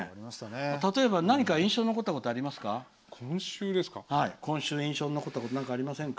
例えば、何か印象に残ったことはありますか？